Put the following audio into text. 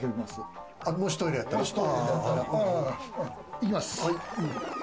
行きます。